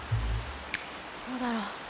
どうだろう。